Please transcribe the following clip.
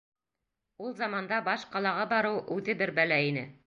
Ул заманда баш ҡалаға барыу үҙе бер бәлә ине.